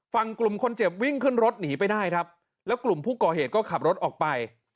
กลุ่มคนเจ็บวิ่งขึ้นรถหนีไปได้ครับแล้วกลุ่มผู้ก่อเหตุก็ขับรถออกไป